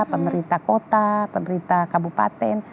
pemerintah kota pemerintah kabupaten